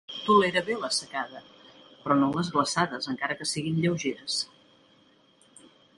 Tolera bé la secada però no les glaçades encara que siguin lleugeres.